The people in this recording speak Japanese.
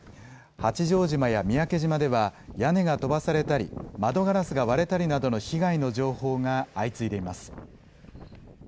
八丈島や三宅島では屋根が飛ばされたり、窓ガラスが割れたりなどの被害の情報が相次いでいます。